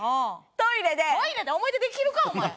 トイレで思い出できるかお前！